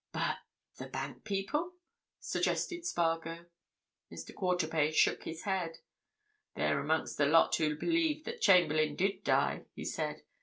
"But—the bank people?" suggested Spargo. Mr. Quarterpage shook his head. "They're amongst the lot who believe that Chamberlayne did die," he said.